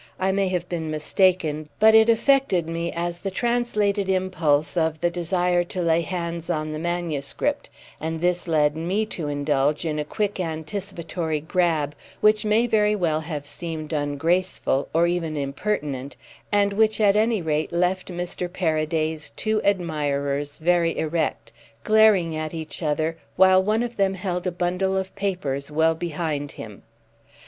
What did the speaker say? I may have been mistaken, but it affected me as the translated impulse of the desire to lay hands on the manuscript, and this led me to indulge in a quick anticipatory grab which may very well have seemed ungraceful, or even impertinent, and which at any rate left Mr. Paraday's two admirers very erect, glaring at each other while one of them held a bundle of papers well behind him.